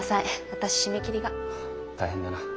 私締め切りが。大変だな。